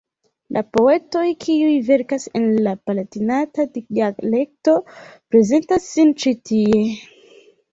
La poetoj, kiuj verkas en la palatinata dialekto prezentas sin ĉi tie.